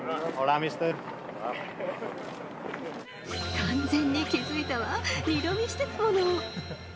完全に気付いたわ、二度見してたもの。